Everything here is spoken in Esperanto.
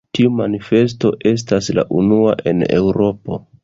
Tiu manifesto estas la unua en Eŭropo.